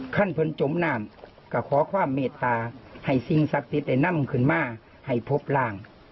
ขั้นพนยมนามกะข้าวความเมตตาให้สิ่งศักดิษฐฆ์ได้นำขึ้นมาให้พบล่าง